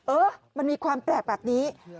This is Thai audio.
เออมันมีความแปลกแบบนี้